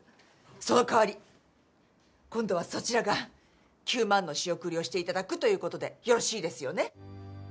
その代わり今度は、そちらが９万の仕送りをしていただくということでよろしいですよね。